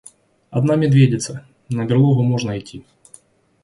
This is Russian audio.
Одна медведица, на берлогу можно итти.